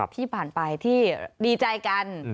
ที่ผ่านไปที่ดีใจกัน